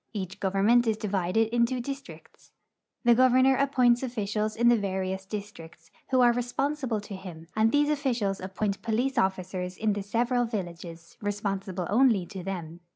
Each government is divided into dis tricts. The governor appoints officials in the various districts, who are responsible to him, and these officials appoint jDolice officers in the several villages, responsible only to them.